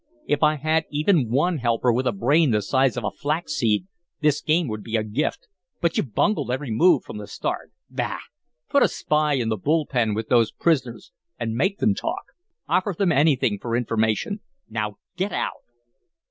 If I had even ONE helper with a brain the size of a flaxseed, this game would be a gift, but you've bungled every move from the start. Bah! Put a spy in the bull pen with those prisoners and make them talk. Offer them anything for information. Now get out!"